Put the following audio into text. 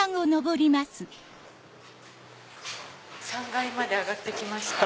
３階まで上がって来ました。